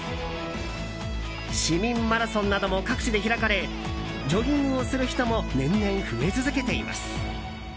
市民マラソンなども各地で開かれジョギングをする人も年々増え続けています。